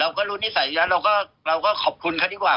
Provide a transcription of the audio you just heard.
เราก็รู้นิสัยแล้วเราก็ขอบคุณเขาดีกว่า